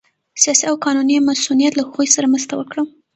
سیاسي او قانوني مصونیت له هغوی سره مرسته وکړه